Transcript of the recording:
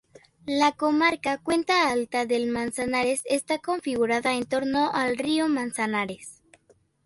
La comarca Cuenca Alta del Manzanares está configurada en torno al río Manzanares.